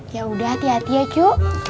yaudah hati hati ya cu